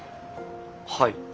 はい。